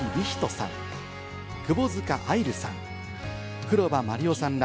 さん、窪塚愛流さん、黒羽麻璃央さんら